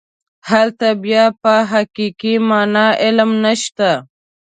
هلته بیا په حقیقي معنا علم نشته.